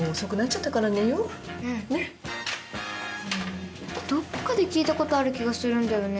うんどっかで聞いたことある気がするんだよね。